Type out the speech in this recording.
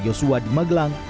yosua di magelang